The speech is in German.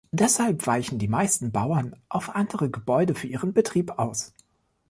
Deshalb weichen die meisten Bauern auf andere Gebäude für ihren Betrieb aus.